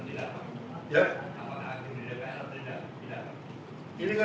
ini soal yang sebenarnya kecil tapi punya dampak yang besar